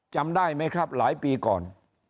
จำได้ไหมครับหลายปีก่อน